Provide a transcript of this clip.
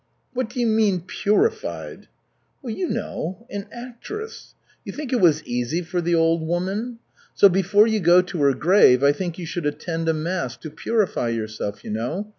"What do you mean, purified?" "You know an actress. You think it was easy for the old woman? So before you go to her grave I think you should attend a mass to purify yourself, you know.